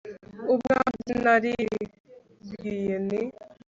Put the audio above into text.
ubwanjye naribwiye nti